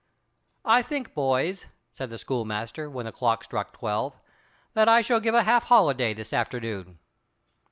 "I think, boys," said the schoolmaster, when the clock struck twelve, "that I shall give a half holiday this afternoon."